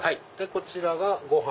こちらがご飯。